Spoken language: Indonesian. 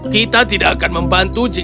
kita tidak akan membantu jika dia ikut